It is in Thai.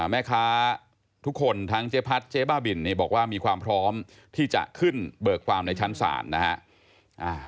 แม่ค้าทุกคนทั้งเจ๊พัดเจ๊บ้าบินบอกว่ามีความพร้อมที่จะขึ้นเบิกความในชั้นศาลนะฮะ